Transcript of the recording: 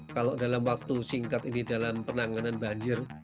kalau dalam waktu singkat ini dalam penanganan banjir